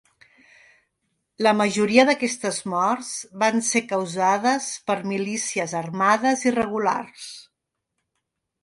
La majoria d’aquestes morts van ser causades per milícies armades irregulars.